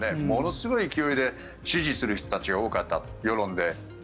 ものすごい勢いで支持する人たちが多かった世論で。